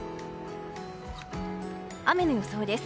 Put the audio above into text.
雨の予想です。